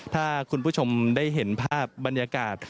ถ้าคุณผู้ชมได้เห็นภาพบรรยากาศ